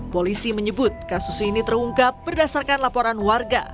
polisi menyebut kasus ini terungkap berdasarkan laporan warga